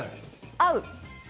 合う？